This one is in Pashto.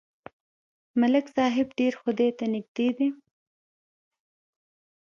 ملک صاحب ډېر خدای ته نږدې دی.